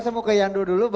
saya mau ke yando dulu